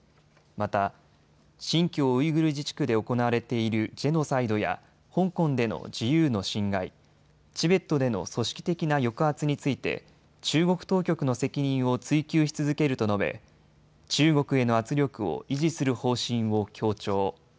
また新疆ウイグル自治区で行われているジェノサイドや香港での自由の侵害、チベットでの組織的な抑圧について中国当局の責任を追及し続けると述べ中国への圧力を維持する方針を強調。